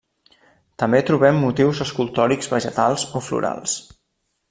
També trobem motius escultòrics vegetals o florals.